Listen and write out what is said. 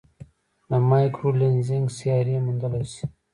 د مایکرو لینزینګ سیارې موندلای شي.